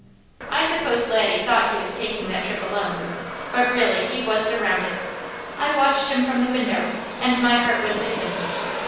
I suppose Laddie thought he was taking that trip alone, but really he was surrounded. I watched him from the window, and my heart went with him.